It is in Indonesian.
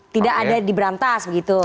tidak ada di berantas begitu